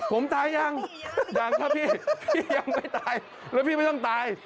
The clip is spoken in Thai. ผมตายยังยังครับพี่พี่ยังไม่ตายแล้วพี่ไม่ต้องตาย